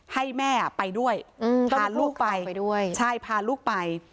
ให้แม่ไปด้วยพาลูกไป